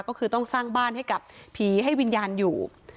ก็คือต้องสร้างบ้านให้กับผีให้วิญญาณอยู่